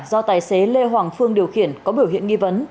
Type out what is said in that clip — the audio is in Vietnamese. do tài xế lê hoàng phương điều khiển có biểu hiện nghi vấn